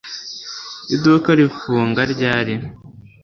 Iduka rifunga ryari